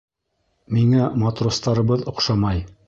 Миңә матростарыбыҙ оҡшамай.